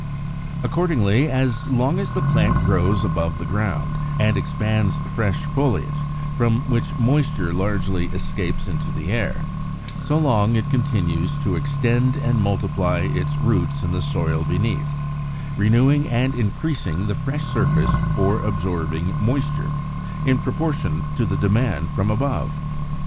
Accordingly, as long as the plant grows above ground, and expands fresh foliage, from which moisture largely escapes into the air, so long it continues to extend and multiply its roots in the soil beneath, renewing and increasing the fresh surface for absorbing moisture, in proportion to the demand from above.